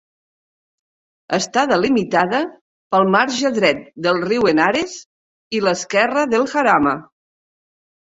Està delimitada pel marge dret del riu Henares i l'esquerra del Jarama.